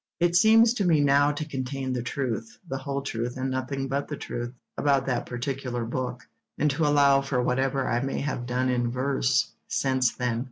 It seems to me now to contain the truth, the whole truth, and nothing but the truth, about that particular book, and to allow for whatever I may have done in verse since then.